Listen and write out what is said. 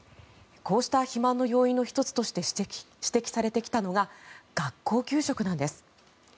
こうした肥満の要因の１つとして指摘されてきたのが学校給食なんです。